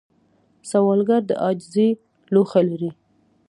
سوالګر د عاجزۍ لوښه لري